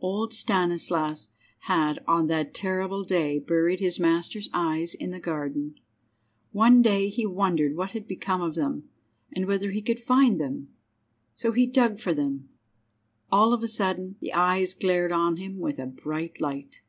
Old Stanislas had on that terrible day buried his master's eyes in the garden. One day he wondered what had become of them, and whether he could find them. So he dug for them. All of a sudden the eyes glared on him with a bright light.